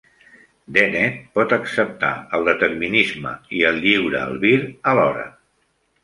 Dennett pot acceptar el determinisme i el lliure albir alhora.